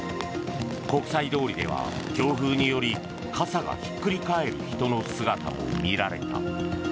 国際通りでは強風により傘がひっくり返る人の姿も見られた。